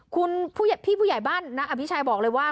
คุณผู้ใหญ่พี่ผู้ใหญ่บ้านน่ะอภิชัยบอกเลยว่า